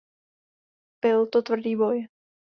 Byl to tvrdý boj.